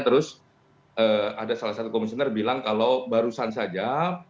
terus ada salah satu komisioner bilang kalau barusan saja